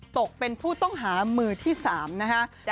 ตกเป็นผู้ต้องหามือที่๓นะคะ